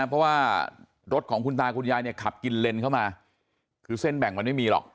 เพราะว่ารถของคุณตาคุณยายเนี่ยขับกินเลนเข้ามาคือเส้นแบ่งมันไม่มีหรอก